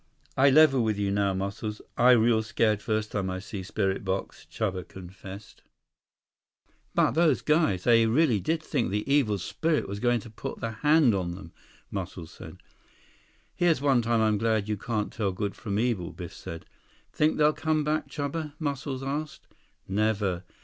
"I level with you now, Muscles. I real scared first time I see spirit box," Chuba confessed. "But those guys! They really did think the Evil Spirit was going to put the hand on them," Muscles said. "Here's one time I'm glad you can't tell good from evil," Biff said. "Think they'll come back, Chuba?" Muscles asked. "Never.